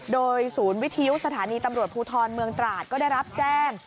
โดยศูนย์วิทยุสถานีตำรวจภูทรเมืองตราดก็ได้รับแจ้ง